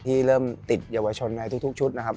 ที่เริ่มติดเยาวชนในทุกชุดนะครับ